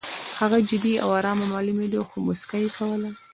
هغه جدي او ارامه معلومېده خو موسکا یې کوله